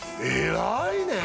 偉いね